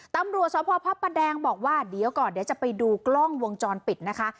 ตำรวจสพพระประแดงบอกว่าเดี๋ยวก่อนเดี๋ยวจะไปดูกล้องวงจรปิดนะคะ